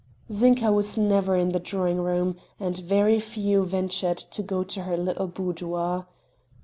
Zinka was never in the drawing room, and very few ventured to go to her little boudoir.